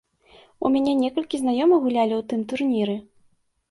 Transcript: У мяне некалькі знаёмых гулялі ў тым турніры.